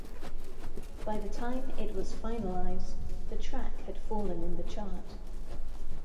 By the time it was finalised, the track had fallen in the chart.